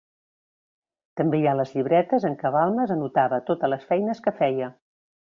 També hi ha les llibretes en què Balmes anotava totes les feines que feia.